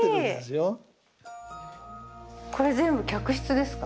これ全部客室ですか？